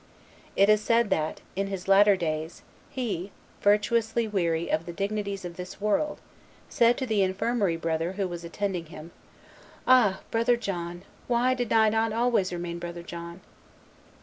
It is said that, in his latter days, he, virtuously weary of the dignities of this world, said to the infirmary brother who was attending him, "Ah! Brother John, why did I not always remain Brother John!"